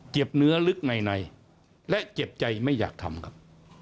เนื้อลึกในและเจ็บใจไม่อยากทำครับ